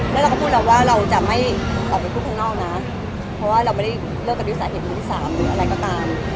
แล้วเราก็พูดแล้วว่าเราจะไม่ออกไปพูดข้างนอกนะเพราะว่าเราไม่ได้เลิกกันด้วยสาเหตุครั้งที่สามหรืออะไรก็ตาม